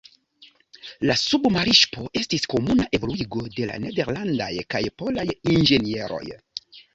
La submarŝipo estis komuna evoluigo de la nederlandaj kaj polaj inĝenieroj.